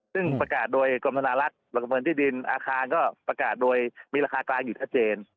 ซึ่งประกาศโดยกรมธนารักษ์ประเมินที่ดินอาคารก็ประกาศโดยมีราคากลางอยู่ชัดเจน